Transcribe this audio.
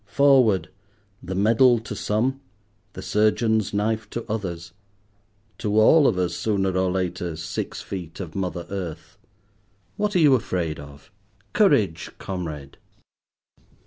Forward: the medal to some, the surgeon's knife to others; to all of us, sooner or later, six feet of mother earth. What are you afraid of? Courage, comrade.